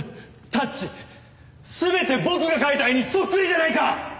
タッチ全て僕が描いた絵にそっくりじゃないか！